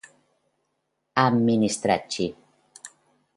Administraci